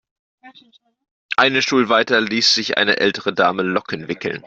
Einen Stuhl weiter ließ sich eine ältere Dame Locken wickeln.